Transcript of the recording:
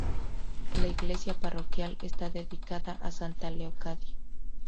La iglesia parroquial está dedicada a Santa Leocadia.